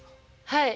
はい。